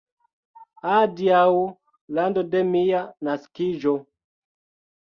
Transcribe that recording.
Adiaŭ, lando de mia naskiĝo!